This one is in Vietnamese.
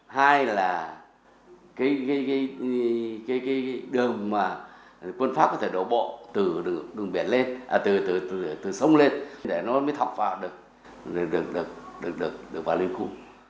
hai là cái đường mà quân pháp có thể đổ bộ từ đường biển lên à từ sông lên để nó mới thọc vào được được được được được vào liên khu